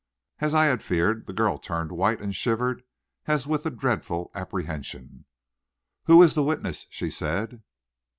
As I had feared, the girl turned white and shivered as if with a dreadful apprehension. "Who is the witness?" she said.